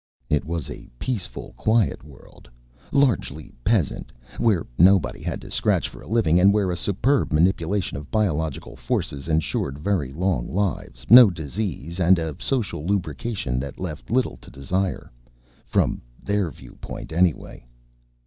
It was a peaceful quiet world, largely peasant, where nobody had to scratch for a living and where a superb manipulation of biological forces ensured very long lives, no disease, and a social lubrication that left little to desire from their viewpoint, anyway.